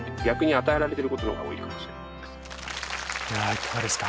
いかがですか？